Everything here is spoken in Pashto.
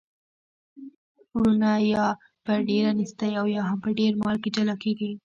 وروڼه یا په ډیره نیستۍ او یا هم په ډیر مال کي جلا کیږي.